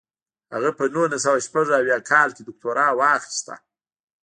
هغه په نولس سوه شپږ اویا کال کې دوکتورا واخیسته.